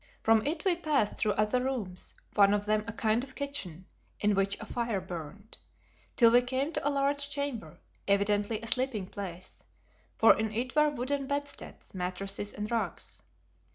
From it we passed through other rooms, one of them a kind of kitchen, in which a fire burned, till we came to a large chamber, evidently a sleeping place, for in it were wooden bedsteads, mattresses and rugs.